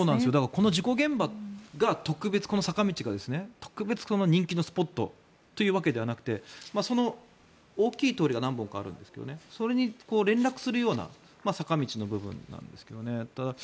この事故現場が特別、この坂道が人気スポットというわけではなく大きい通りが何本かあるんですがそれに連絡するような坂道の部分なんですけどね。